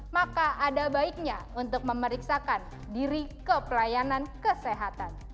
maka ada baiknya untuk memeriksakan diri ke pelayanan kesehatan